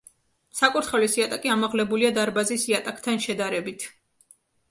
საკურთხევლის იატაკი ამაღლებულია დარბაზის იატაკთან შედარებით.